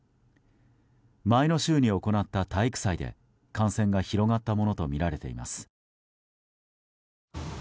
前の週に行った体育祭で感染が広がったものとみられています。